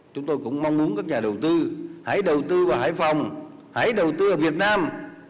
chúng tôi cũng mong muốn các nhà đầu tư hãy đầu tư vào hải phòng hãy đầu tư ở việt nam